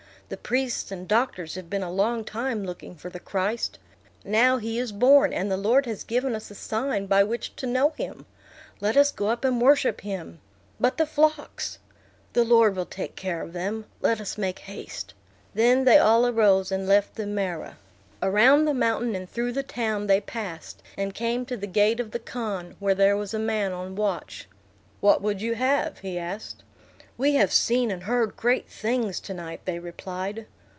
The priests and doctors have been a long time looking for the Christ. Now he is born, and the Lord has given us a sign by which to know him. Let us go up and worship him." "But the flocks!" "The Lord will take care of them. Let us make haste." Then they all arose and left the marah. Around the mountain and through the town they passed, and came to the gate of the khan, where there was a man on watch. "What would you have?" he asked. "We have seen and heard great things to night," they replied.